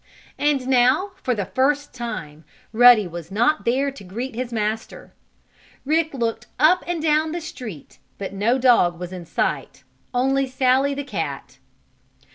And now, for the first time, Ruddy was not there to greet his master. Rick looked up and down the street but no dog was in sight; only Sallie, the cat.